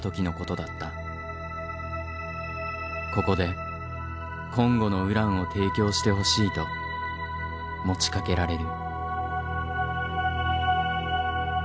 ここでコンゴのウランを提供してほしいと持ちかけられる。